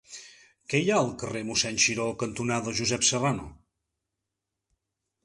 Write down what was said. Què hi ha al carrer Mossèn Xiró cantonada Josep Serrano?